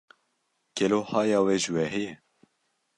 Gelo haya we ji we heye?